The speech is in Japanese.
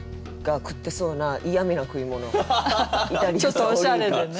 ちょっとおしゃれでね。